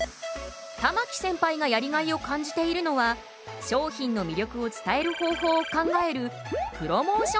玉置センパイがやりがいを感じているのは商品の魅力を伝える方法を考えるプロモーション戦略。